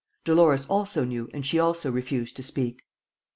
Dolores also knew and she also refused to speak.